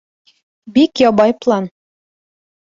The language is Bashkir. Бик ябай план!